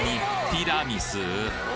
ティラミス？